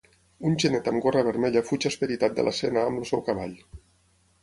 Un genet amb gorra vermella fuig esperitat de l’escena amb el seu cavall.